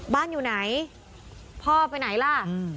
บ้านอยู่ไหนพ่อไปไหนล่ะ